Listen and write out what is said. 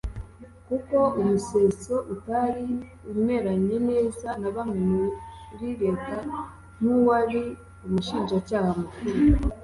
Kuko Umuseso utari umeranye neza na bamwe muri Leta nk’uwari umushinjacyaha mukuru